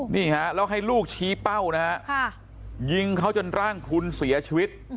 นี่ฮะแล้วให้ลูกชี้เป้านะฮะยิงเขาจนร่างพลุนเสียชีวิต